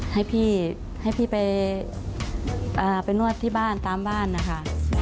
ให้พี่ให้พี่ไปนวดที่บ้านตามบ้านนะคะ